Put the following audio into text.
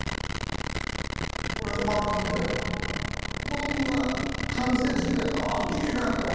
子どもが歓声するやんか